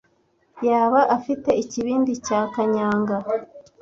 yaba afite ikibindi cya kanyanga